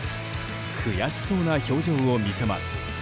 悔しそうな表情を見せます。